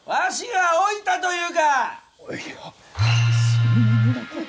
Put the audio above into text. そんなこと。